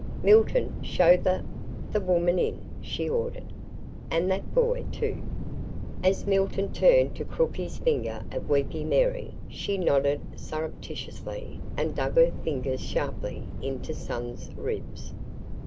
"Milton, show the the woman in," she ordered, "and that boy, too." As Milton turned to crook his finger at "Weepy Mary," she nodded surreptitiously and dug her fingers sharply into "son's" ribs.